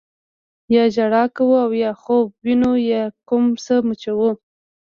یا ژړا کوو او یا خوب وینو یا کوم څه مچوو.